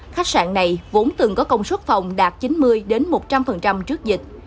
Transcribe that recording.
khách sạn này vốn từng có công suất phòng đạt chín mươi một trăm linh trước dịch